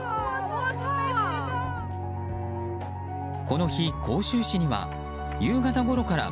この日、杭州市には夕方ごろから